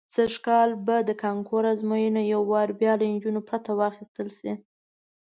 سږ کال به د کانکور ازموینه یو وار بیا له نجونو پرته واخیستل شي.